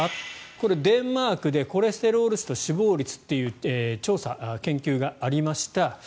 これ、デンマークでコレステロール値と死亡率という調査、研究がありました。